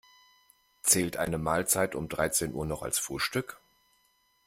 Zählt eine Mahlzeit um dreizehn Uhr noch als Frühstück?